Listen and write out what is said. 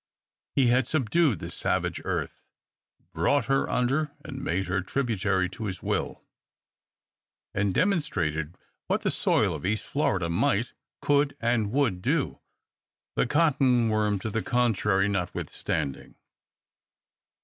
He had subdued the savage earth, brought her under, and made her tributary to his will, and demonstrated what the soil of East Florida might, could, and would do, the cotton worm to the contrary notwithstanding.